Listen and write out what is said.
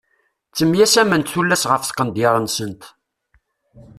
Ttemyasament tullas ɣef tqendyar-nsent.